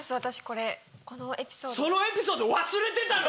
そのエピソード忘れてたの？